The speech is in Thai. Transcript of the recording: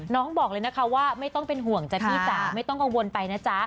น้องบอกเลยว่าไม่ต้องเป็นห่วงแจ๊พากฎไม่ต้องกังวลไปนะจ๊ะ